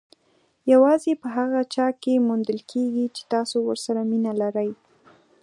یوازې په هغه چا کې موندل کېږي چې تاسو ورسره مینه لرئ.